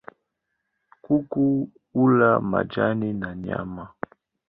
Kuku hula majani na nyama.